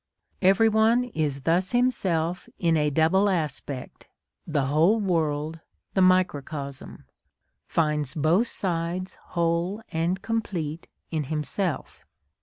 Every one is thus himself in a double aspect the whole world, the microcosm; finds both sides whole and complete in himself.